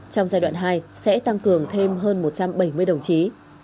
trong giai đoạn hai sẽ tăng cường thêm hơn một trăm bảy mươi đồng chí